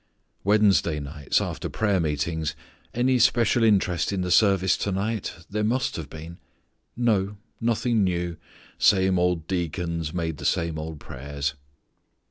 Wednesday nights, after prayer meetings, "Any special interest in the service to night? there must have been." "No; nothing new; same old deacons made the same old prayers."